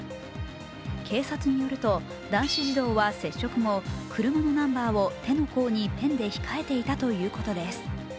警察によると、男子児童は接触後車のナンバーを手の甲にペンで控えていたということです。